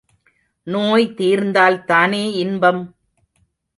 நோய் தீர்ந்தால்தானே இன்பம்?